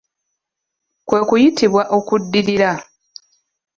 Kwe kuyitibwa okuddirira.